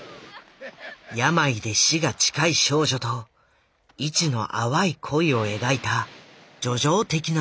病で死が近い少女と市の淡い恋を描いた叙情的な作品。